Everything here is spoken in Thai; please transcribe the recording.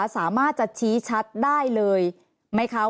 สามารถจะชี้ชัดได้เลยไหมคะ